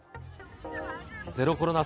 ゼロコロナ